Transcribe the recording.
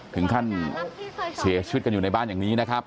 ถึงขั้นเสียชีวิตกันอยู่ในบ้านอย่างนี้นะครับ